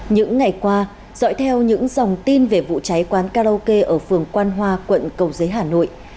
những ngày qua dõi theo những dòng tin về vụ cháy quán karaoke ở phường quan hoa quận cầu giấy hà nội